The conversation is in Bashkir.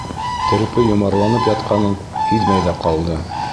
Терпе йомарланып ятҡанын һиҙмәй ҙә ҡалды.